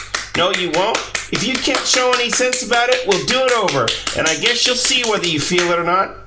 "No, you won't! If you can't show any SENSE about it, we'll do it over, and I guess you'll see whether you feel it or not!